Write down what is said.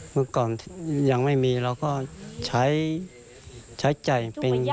เมื่อก่อนยังไม่มีเราก็ใช้จ่ายเป็น